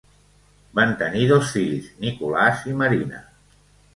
Van tenir dos fills: Nicolas i Marina.